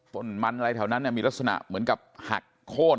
ต้นมันอะไรแถวนั้นมีลักษณะเหมือนกับหักโค้น